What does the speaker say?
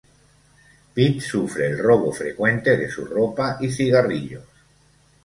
Pete sufre el robo frecuente de su ropa y cigarrillos.